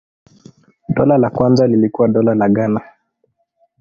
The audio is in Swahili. Dola la kwanza lilikuwa Dola la Ghana.